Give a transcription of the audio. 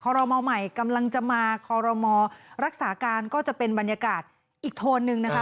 รมอลใหม่กำลังจะมาคอรมอรักษาการก็จะเป็นบรรยากาศอีกโทนหนึ่งนะคะ